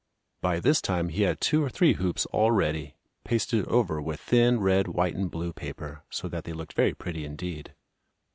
By this time he had two or three hoops all ready, pasted over with thin red, white and blue paper, so that they looked very pretty indeed.